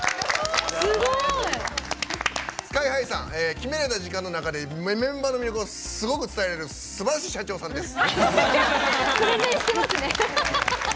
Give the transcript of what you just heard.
決められた時間の中でメンバーの魅力をすごく伝えられるすばらしい社長さんです。